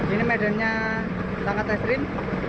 ini medannya sangat ekstrim